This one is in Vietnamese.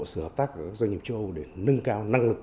sự hợp tác của các doanh nghiệp châu âu để nâng cao năng lực